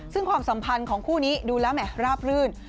ซึ่งความสัมพันธ์ของคู่นี้ดูแล้วแหมราบรื่น